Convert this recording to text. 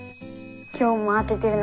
今日も慌ててるな。